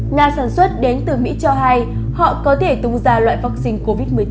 nga sản xuất đến từ mỹ cho hay họ có thể tung ra loại vaccine covid một mươi chín